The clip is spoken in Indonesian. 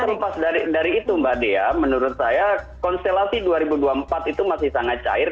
terlepas dari itu mbak dea menurut saya konstelasi dua ribu dua puluh empat itu masih sangat cair